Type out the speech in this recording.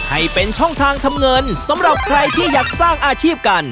ให้เป็นช่องทางทำเงินสำหรับใครที่อยากสร้างอาชีพกัน